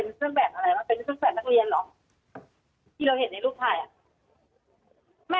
ตอนที่จะไปอยู่โรงเรียนจบมไหนคะ